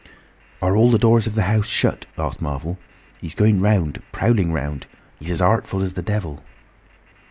"Are all the doors of the house shut?" asked Marvel. "He's going round—prowling round. He's as artful as the devil."